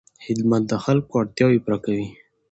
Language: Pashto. خدمت د خلکو اړتیاوې پوره کوي.